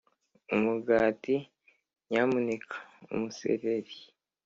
umugati, nyamuneka, umusereri.